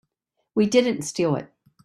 We didn't steal it.